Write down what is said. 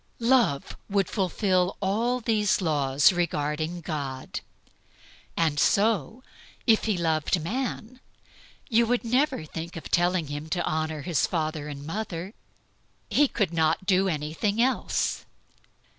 Love would fulfill all these laws regarding God. And so, if he loved man, you would never think of telling him to honor his father and mother. He could not do anything else.